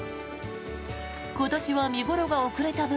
今年は見頃が遅れた分